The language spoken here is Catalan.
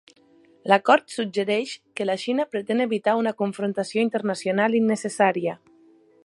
L'acord suggereix que la Xina pretén evitar una confrontació internacional innecessària.